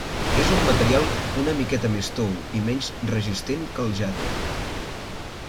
És un material una miqueta més tou i menys resistent que el jade.